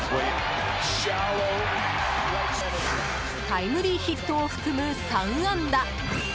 タイムリーヒットを含む３安打。